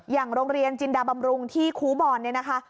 อย่างโรงเรียนจินดาบำรุงที่ครูบอลเนี่ยนะคะ